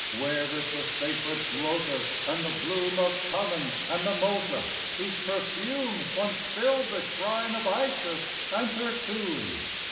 Where is the sacred lotus and the bloom Of cumin and mimosa, whose perfume Once filled the shrine of Isis and her tomb?